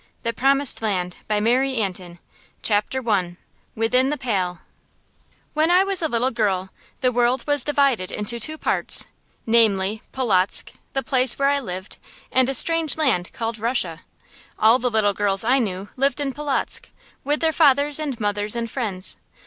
THE PROMISED LAND CHAPTER I WITHIN THE PALE When I was a little girl, the world was divided into two parts; namely, Polotzk, the place where I lived, and a strange land called Russia. All the little girls I knew lived in Polotzk, with their fathers and mothers and friends.